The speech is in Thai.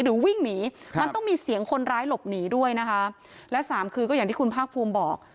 หรือวิ่งหนีมันต้องมีเสียงคนร้ายหลบหนีด้วยนะคะและสามคือก็อย่างที่คุณภาคภูมิบอก